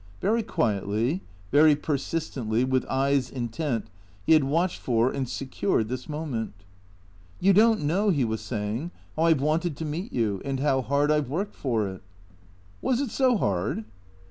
Very quietly, very persistently, with eyes intent, he had watched for and secured this moment. " You don't know," he was saying, " how I 've wanted to meet you, and how hard I 've worked for it." " Was it so hard